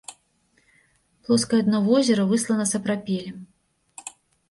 Плоскае дно возера выслана сапрапелем.